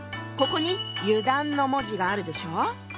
ここに「油断」の文字があるでしょう？